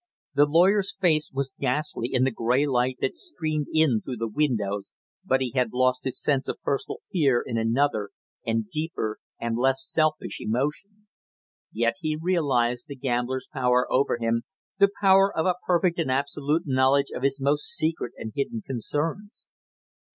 The lawyer's face was ghastly in the gray light that streamed in through the windows, but he had lost his sense of personal fear in another and deeper and less selfish emotion. Yet he realized the gambler's power over him, the power of a perfect and absolute knowledge of his most secret and hidden concerns.